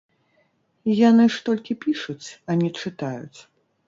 Яны ж толькі пішуць, а не чытаюць.